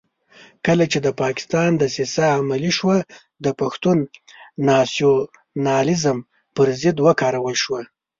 کله چې د پاکستان دسیسه عملي شوه د پښتون ناسیونالېزم پر ضد وکارول شو.